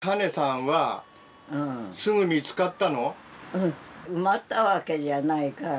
うん埋まったわけじゃないから。